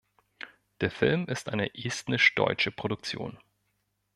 Der Film ist eine estnisch-deutsche Produktion.